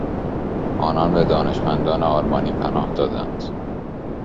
آنان به دانشمندان آلمانی پناه دادند.